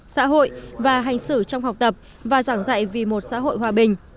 xã hội và hành xử trong học tập và giảng dạy vì một xã hội hòa bình